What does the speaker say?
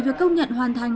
việc công nhận hoàn thành